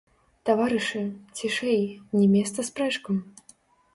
Таварышы, цішэй, не месца спрэчкам!